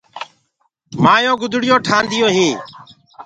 مآيونٚ گُدڙيونٚ ٺآنديونٚ هينٚ۔